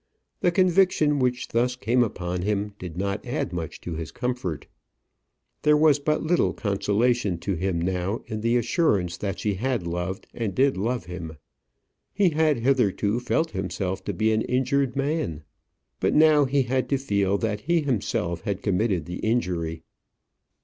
The conviction which thus came upon him did not add much to his comfort. There was but little consolation to him now in the assurance that she had loved, and did love him. He had hitherto felt himself to be an injured man; but now he had to feel that he himself had committed the injury.